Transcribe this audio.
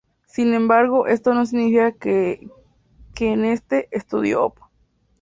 Sin embargo, esto no significa que en este "Estudio Op.